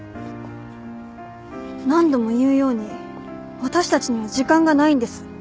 何度も言うように私たちには時間がないんです。